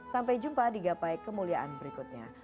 sampai jumpa di gapai kemuliaan berikutnya